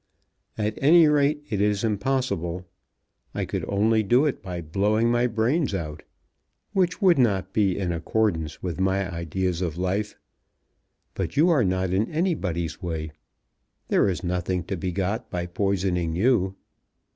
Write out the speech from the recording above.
"At any rate it is impossible. I could only do it by blowing my brains out which would not be in accordance with my ideas of life. But you are not in anybody's way. There is nothing to be got by poisoning you.